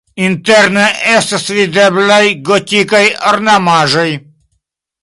Interne estas videblaj gotikaj ornamaĵoj.